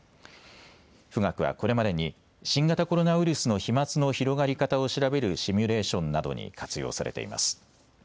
富岳はこれまでに新型コロナウイルスの飛まつの広がり方を調べるシミュレーションなどに活用されています。